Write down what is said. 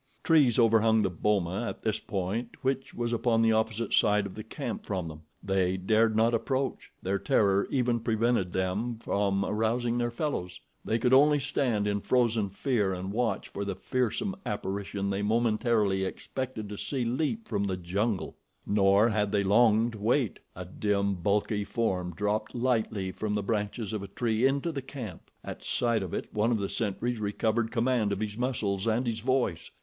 Trees overhung the boma at this point which was upon the opposite side of the camp from them. They dared not approach. Their terror even prevented them from arousing their fellows—they could only stand in frozen fear and watch for the fearsome apparition they momentarily expected to see leap from the jungle. Nor had they long to wait. A dim, bulky form dropped lightly from the branches of a tree into the camp. At sight of it one of the sentries recovered command of his muscles and his voice.